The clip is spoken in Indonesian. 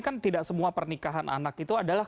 kan tidak semua pernikahan anak itu adalah